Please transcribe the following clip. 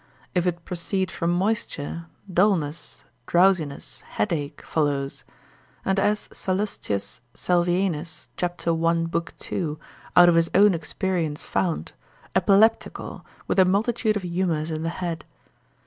If it proceed from moisture: dullness, drowsiness, headache follows; and as Salust. Salvianus, c. 1, l. 2, out of his own experience found, epileptical, with a multitude of humours in the head.